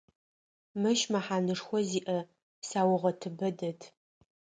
Мыщ мэхьанэшхо зиӏэ саугъэтыбэ дэт.